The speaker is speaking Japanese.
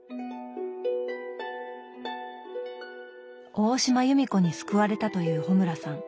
大島弓子に救われたという穂村さん